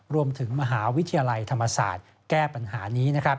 รวมถึงมหาวิทยาลัยธรรมศาสตร์แก้ปัญหานี้